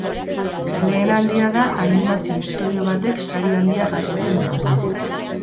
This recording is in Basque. Lehen aldia da animazio-istorio batek sari handia jasotzen duela.